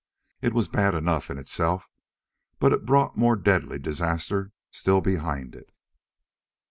It was bad enough in itself, but it brought more deadly disaster still behind it.